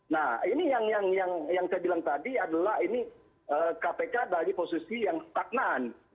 nah ini yang saya bilang tadi adalah ini kpk dari posisi yang stagnan